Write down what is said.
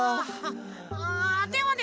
あでもね